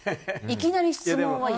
いきなり質問は嫌。